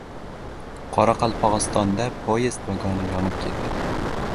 Qoraqalpog‘istonda poyezd vagoni yonib ketdi